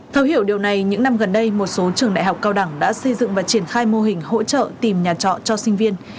thấu hiểu điều này những năm gần đây một số trường đại học cao đẳng đã xây dựng và triển khai mô hình hỗ trợ tìm nhà trọ cho sinh viên